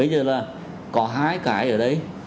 bây giờ là có hai cái ở đây